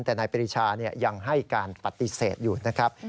แต่นายปรีชายังให้การปฏิเสธอยู่นะครับ